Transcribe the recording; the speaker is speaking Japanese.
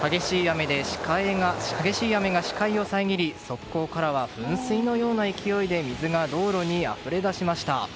激しい雨で視界を遮り側溝からは噴水のような勢いで道路に水があふれ出しました。